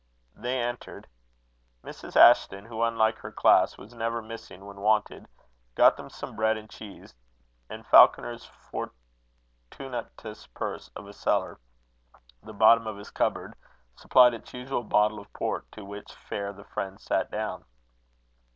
They entered. Mrs. Ashton, who, unlike her class, was never missing when wanted, got them some bread and cheese; and Falconer's Fortunatus purse of a cellar the bottom of his cupboard supplied its usual bottle of port; to which fare the friends sat down.